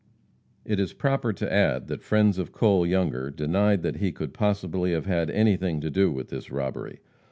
It is proper to add that friends of Cole Younger denied that he could possibly have had anything to do with this robbery.